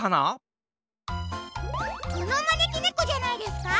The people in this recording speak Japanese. このまねきねこじゃないですか？